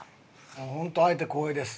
もう本当会えて光栄です。